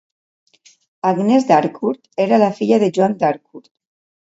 Agnès d'Harcourt era la filla de Joan d'Harcourt.